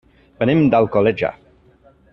Venim d'Alcoleja.